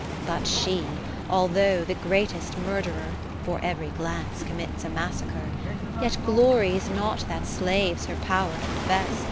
But she, although the greatest INIurthcrer, (For cv'ry glance commits a Massacre) Yet glories not that slaves her power confess.